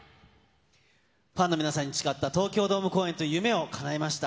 ファンの皆さんに誓った、東京ドーム公演という夢をかなえました。